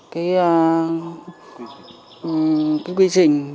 cái quy trình